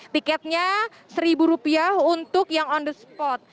tiketnya rp satu untuk yang on the spot